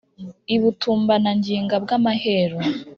i butambana ngiga bwa mahehure